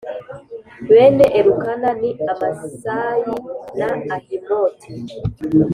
Bene Elukana ni Amasayi na Ahimoti